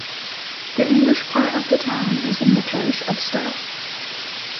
The English part of the town is in the parish of Stowe.